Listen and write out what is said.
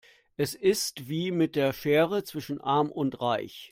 Es ist wie mit der Schere zwischen arm und reich.